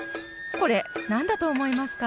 これ何だと思いますか？